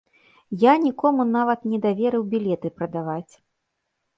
Я нікому нават не даверыў білеты прадаваць.